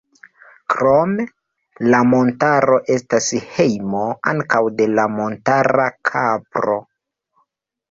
Krome, la montaro estas hejmo ankaŭ de la montara kapro.